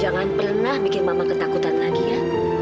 jangan pernah bikin mama ketakutan lagi ya